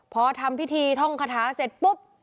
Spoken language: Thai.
พอทำพิธีท่องคาถาเสร็จปุ๊บ